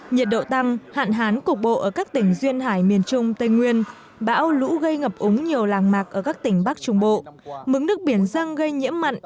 nhiệt độ tăng hạn hán cục bộ ở các tỉnh duyên hải miền trung tây nguyên bão lũ gây ngập úng nhiều làng mạc ở các tỉnh bắc trung bộ mứng nước biển răng gây nhiễm mặn